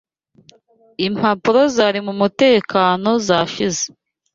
Impapuro zari mumutekano zashize.